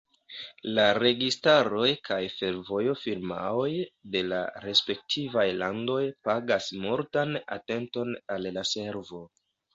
La registaroj kaj fervojo-firmaoj de la respektivaj landoj pagas multan atenton al la servo.